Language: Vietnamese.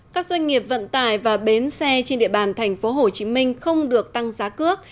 các doanh nghiệp vận tải và bến xe trên địa bàn thành phố hồ chí minh không được tăng giá cước